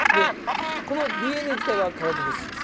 このＤＮＡ自体は化学物質です。